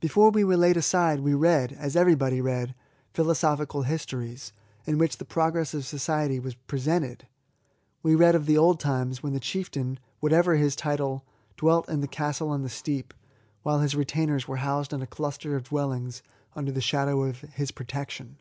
Before we were laid aside, we read, as everybody read, philosophical histories, in which the progress of society was presented ; we read of the old times. LIFE TO THE INVALID. 69 wben the chieftain^ whatever his title^ dwelt in the castle on the steep, while his retainers were housed in a cluster of dwellings under the shadow of his protection.